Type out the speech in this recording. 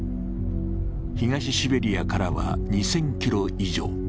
東シベリアからは２０００ｋｍ以上。